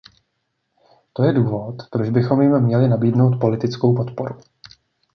To je důvod, proč bychom jim měli nabídnout politickou podporu.